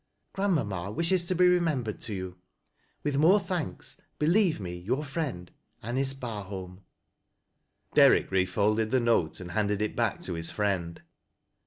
Grand maop ma wishes to be remembered to you. " With more thanks, " Believe me your friend, Ahiok Babholu." Derrick refolded the note and handed it back to his friend.